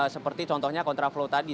seperti contohnya kontraflow tadi